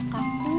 kau punya apa